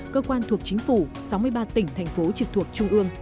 cơ quan thuộc chính phủ sáu mươi ba tỉnh thành phố trực thuộc trung ương